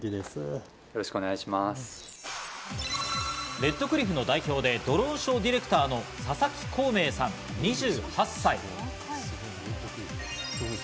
レッドクリフの代表で、ドローンショーディレクターの佐々木孔明さん、２８歳。